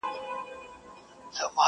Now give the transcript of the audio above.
او فضا غمجنه ښکاري ډېر,